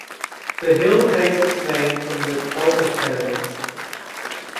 The hill takes its name from the "Colmer Tenement".